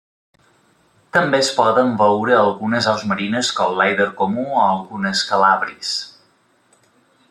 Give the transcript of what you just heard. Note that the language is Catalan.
També es poden veure algunes aus marines com l'èider comú o algunes calàbries.